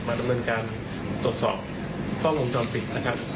มาดำเนินการตดสอบกล้องวงจรปิดครับ